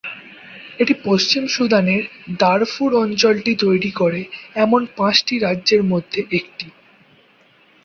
এটি পশ্চিম সুদানের দারফুর অঞ্চলটি তৈরি করে এমন পাঁচটি রাজ্যের মধ্যে একটি।